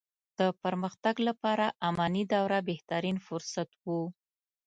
د پرمختګ لپاره اماني دوره بهترين فرصت وو.